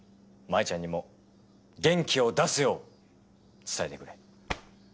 真衣ちゃんにも元気を出すよう伝えてくれ。